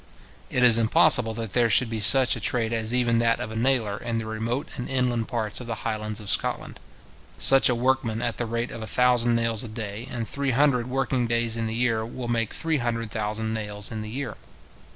It is impossible there should be such a trade as even that of a nailer in the remote and inland parts of the highlands of Scotland. Such a workman at the rate of a thousand nails a day, and three hundred working days in the year, will make three hundred thousand nails in the year.